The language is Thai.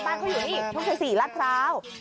บ้านเขาอยู่นี่ทุกสัยสี่รัดพร้าว